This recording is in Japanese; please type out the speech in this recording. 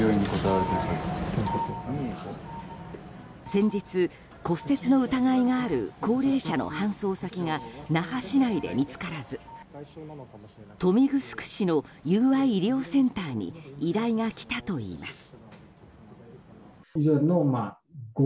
先日、骨折の疑いがある高齢者の搬送先が那覇市内で見つからず豊見城市の友愛医療センターに依頼が来たといいます。